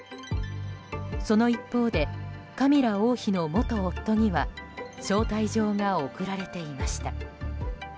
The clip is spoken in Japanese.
その一方でカミラ王妃の元夫には招待状が送られていました。